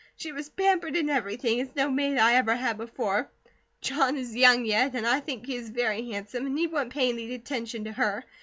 She was pampered in everything, as no maid I ever had before. John is young yet, and I think he is very handsome, and he wouldn't pay any attention to her.